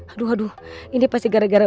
aduh aduh ini pasti gara gara